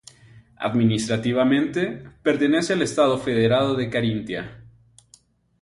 Administrativamente pertenece al estado federado de Carintia.